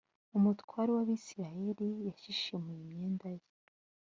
umutware w’abisirayeli yashishimuye imyenda ye